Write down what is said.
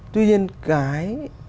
tuy nhiên cái